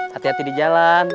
hati hati di jalan